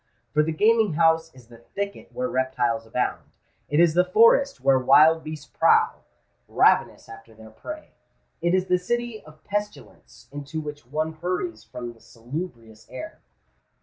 For the gaming house is the thicket where reptiles abound—it is the forest where wild beasts prowl, ravenous after their prey—it is the city of pestilence into which one hurries from the salubrious air.